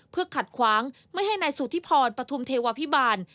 เพื่อขัดขวางไม่ให้นายสุธิพรปฐุมเทวาพิบาล